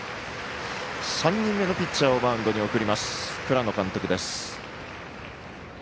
３人目のピッチャーをマウンドに送ります倉野監督です。